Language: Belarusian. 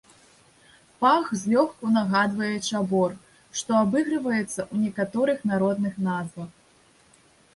Пах злёгку нагадвае чабор, што абыгрываецца ў некаторых народных назвах.